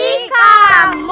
ini kan berapa